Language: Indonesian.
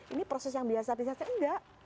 ini proses yang biasa biasa sih enggak